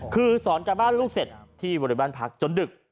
คือสอนการบ้านลูกเสร็จที่บริบันภักดิ์จนดึก